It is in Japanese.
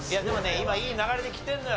今いい流れで来てるのよ。